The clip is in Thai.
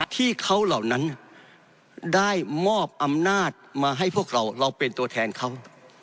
ที่เขาเหล่านั้นได้มอบอำนาจมาให้พวกเราเราเป็นตัวแทนเขา